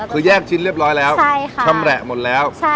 คือแยกชิ้นเรียบร้อยแล้วชำแหละหมดแล้ว